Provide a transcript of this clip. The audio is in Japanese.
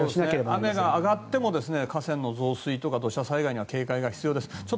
雨が上がっても河川の増水とか土砂災害には警戒が必要です。